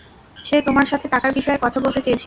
সে তোমার সাথে টাকার বিষয়ে কথা বলতে চেয়েছিল।